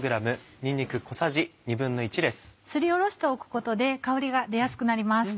すりおろしておくことで香りが出やすくなります。